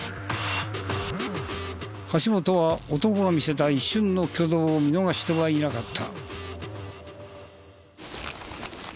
橋本は男が見せた一瞬の挙動を見逃してはいなかった。